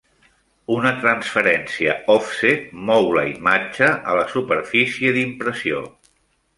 Una transferència òfset mou la imatge a la superfície d'impressió.